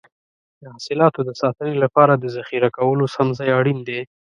د حاصلاتو د ساتنې لپاره د ذخیره کولو سم ځای اړین دی.